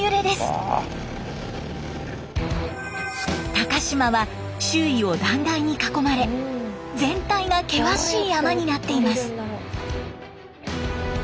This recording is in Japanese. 高島は周囲を断崖に囲まれ全体が険しい山になっています。